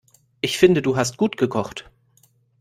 Ich finde du hast gut gekocht.